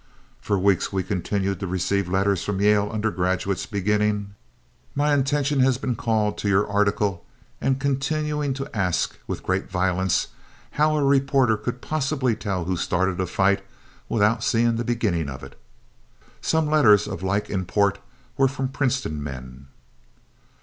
For weeks we continued to receive letters from Yale undergraduates beginning, "My attention has been called to your article" and continuing to ask with great violence how a reporter could possibly tell who started a fight without seeing the beginning of it. Some letters of like import were from Princeton men.